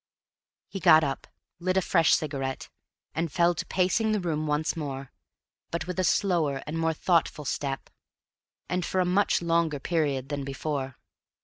He got up, lit a fresh cigarette, and fell to pacing the room once more, but with a slower and more thoughtful step, and for a much longer period than before.